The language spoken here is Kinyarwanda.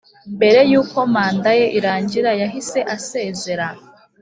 mbere y uko manda ye irangira yahiseasezera